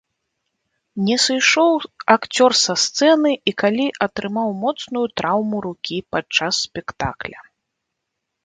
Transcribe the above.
Не сышоў акцёр са сцэны і калі атрымаў моцную траўму рукі падчас спектакля.